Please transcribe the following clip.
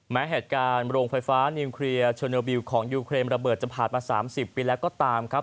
แม้เหตุการณ์โรงไฟฟ้านิวเคลียร์โชเนอร์บิลของยูเครมระเบิดจะผ่านมา๓๐ปีแล้วก็ตามครับ